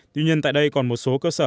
tuy nhiên tại đây còn một số cơ sở